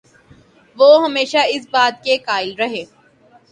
وہ ہمیشہ اس بات کے قائل رہے